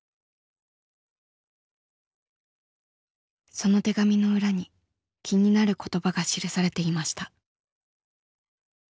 その手紙の裏に気になる言葉が記されていました。